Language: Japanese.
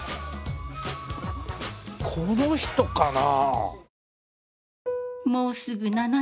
この人かな？